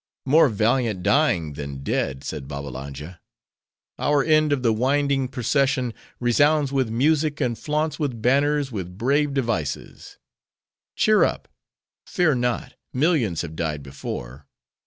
'" "More valiant dying, than dead," said Babbalanja. "Our end of the winding procession resounds with music and flaunts with banners with brave devices: 'Cheer up!' 'Fear not!' 'Millions have died before!